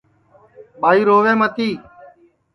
ٻائی رووے متی